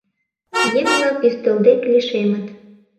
Еҥ-влак ӱстел дек лишемыт.